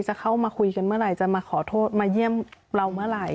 จะเข้ามาคุยกันเมื่อไหร่จะมาขอโทษมาเยี่ยมเราเมื่อไหร่